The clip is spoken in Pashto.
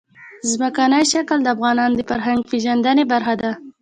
ځمکنی شکل د افغانانو د فرهنګي پیژندنې برخه ده.